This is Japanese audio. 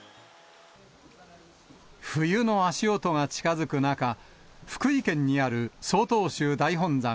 冬の足音が近づく中、福井県にある曹洞宗大本山